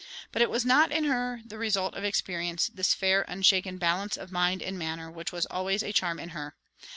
But it was not in her the result of experience, this fair, unshaken balance of mind and manner which was always a charm in her.